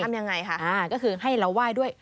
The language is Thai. ทำยังไงค่ะก็คือให้เราไหว้ด้วย